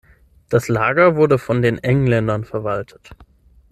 Das Lager wurde von den Engländern verwaltet.